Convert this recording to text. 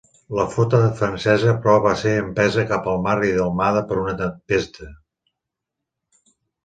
La flota francesa però, va ser empesa cap al mar i delmada per una tempesta.